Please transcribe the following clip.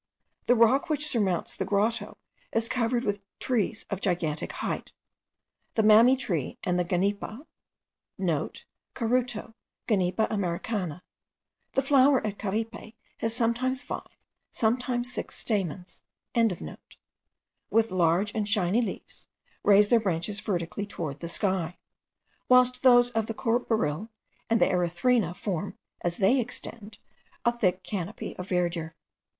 The rock which surmounts the grotto is covered with trees of gigantic height. The mammee tree and the genipa,* (* Caruto, Genipa americana. The flower at Caripe, has sometimes five, sometimes six stamens.) with large and shining leaves, raise their branches vertically towards the sky; whilst those of the courbaril and the erythrina form, as they extend, a thick canopy of verdure.